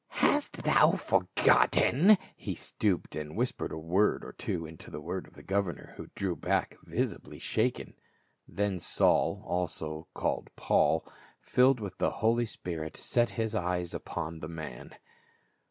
Hast thou forgotten —" he stooped and whispered a word or two into the car of the governor, who drew back visibly shaken. Then Saul, who was also called Paul, filled with the Holy Spirit, set his eyes upon the man.